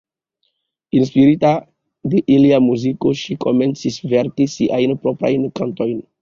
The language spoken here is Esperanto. Inspirita de ilia muziko, ŝi komencis verki siajn proprajn kantojn.